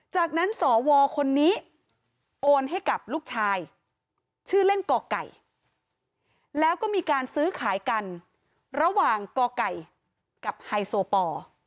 จากนั้นสวคนนี้โอนให้กับลูกชายชื่อเล่นก่อไก่แล้วก็มีการซื้อขายกันระหว่างกไก่กับไฮโซปอร์